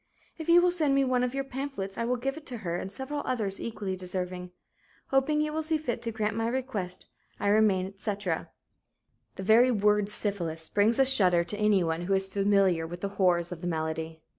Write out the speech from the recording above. "If you will send me one of your pamphlets, I will give it to her and several others equally deserving. "Hoping you will see fit to grant my request, I remain, etc." The very word "syphilis" brings a shudder to anyone who is familiar with the horrors of the malady.